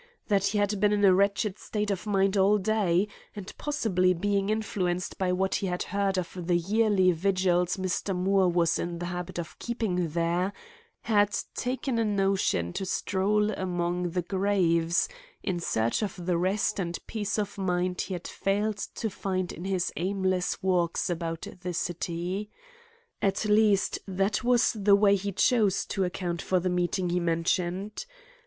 That he had been in a wretched state of mind all day, and possibly being influenced by what he had heard of the yearly vigils Mr. Moore was in the habit of keeping there, had taken a notion to stroll among the graves, in search of the rest and peace of mind he had failed to find in his aimless walks about the city. At least, that was the way he chose to account for the meeting he mentioned.